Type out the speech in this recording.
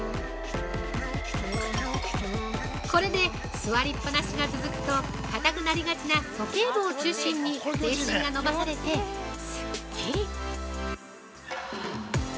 これで、座りっぱなしが続くとかたくなりがちなそけい部を中心に全身が伸ばされてスッキリ。